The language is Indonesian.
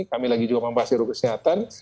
kami lagi juga membahas seluruh kesehatan